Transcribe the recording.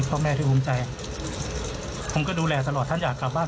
พ่อแม่ที่ภูมิใจผมก็ดูแลตลอดท่านอยากกลับบ้าน